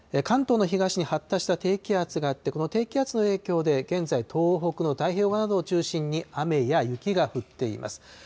関東の東に発達した低気圧があって、この低気圧の影響で現在、東北の太平洋側などを中心に、雨や雪が降っています。